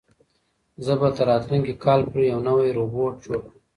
زه به تر راتلونکي کال پورې یو نوی روبوټ جوړ کړم.